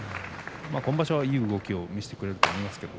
今場所は、いい動きを見せてくれると思います。